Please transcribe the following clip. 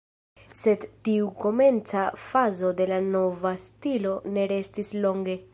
Sed tiu komenca fazo de la nova stilo ne restis longe.